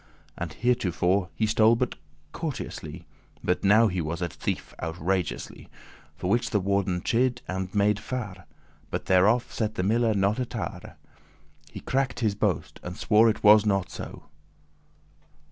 For theretofore he stole but courteously, But now he was a thief outrageously. For which the warden chid and made fare*, *fuss But thereof *set the miller not a tare*; *he cared not a rush* He *crack'd his boast,* and swore it was not so.